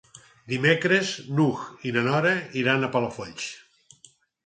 Dimecres n'Hug i na Nora iran a Palafolls.